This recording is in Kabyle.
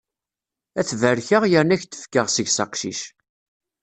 Ad t-barkeɣ yerna ad k-d-fkeɣ seg-s aqcic.